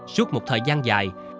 suốt một thời gian dài